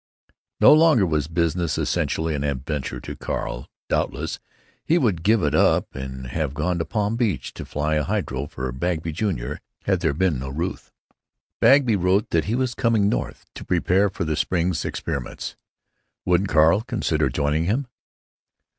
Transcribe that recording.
No longer was business essentially an adventure to Carl. Doubtless he would have given it up and have gone to Palm Beach to fly a hydro for Bagby, Jr., had there been no Ruth. Bagby wrote that he was coming North, to prepare for the spring's experiments; wouldn't Carl consider joining him?